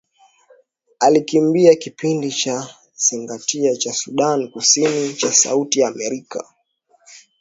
alikiambia kipindi cha Zingatia cha Sudan kusini cha sauti ya Amerika